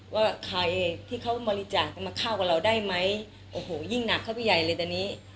ว่าใครที่เขาบริจาคจะมาเข้ากับเราได้ไหมโอ้โหยิ่งหนักเข้าไปใหญ่เลยตอนนี้